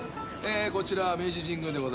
こちら明治神宮でございます。